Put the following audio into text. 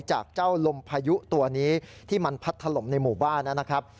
จากเจ้าลมพายุตัวนี้ที่มันพัดถล่มในหมู่บ้านนะครับ